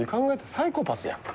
サイコパスやん。